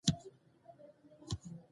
تجارتي پلان باید د شرایطو مطابق جوړ شي.